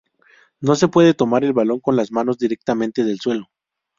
No se puede tomar el balón con las manos directamente del suelo.